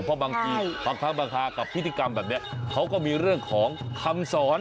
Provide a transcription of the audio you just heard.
เพราะบางทีบางครั้งบางคากับพิธีกรรมแบบนี้เขาก็มีเรื่องของคำสอน